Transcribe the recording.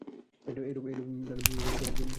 এইরূপ নানা বিভিন্নতা দেখিতে পাই।